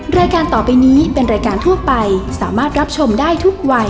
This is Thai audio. รายการต่อไปนี้เป็นรายการทั่วไปสามารถรับชมได้ทุกวัย